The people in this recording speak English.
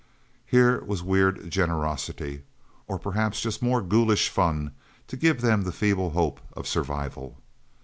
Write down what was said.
Here was weird generosity or perhaps just more ghoulish fun to give them the feeble hope of survival.